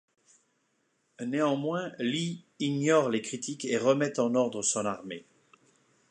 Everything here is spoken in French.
Néanmoins, Lee ignore les critiques et remet en ordre son armée.